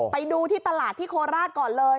ไปดูที่ตลาดที่โคราชก่อนเลย